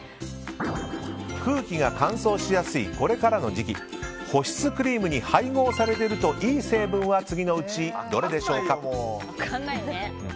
空気が乾燥しやすいこれからの時期保湿クリームに配合されているといい成分は次のうちどれでしょうか。